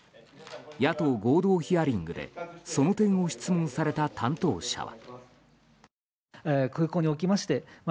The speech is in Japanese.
野党合同ヒアリングでその点を質問された担当者は。